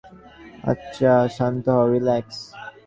আচ্ছা, শান্ত হও, রিল্যাক্স।